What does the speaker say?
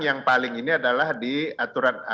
yang paling ini adalah di aturan